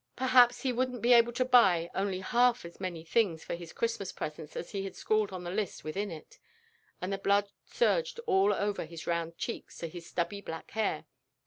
Perhaps he wouldn't be able to buy only half as many things for his Christmas presents as he had scrawled on the list within it, and the blood surged all over his round cheeks to his stubby black hair.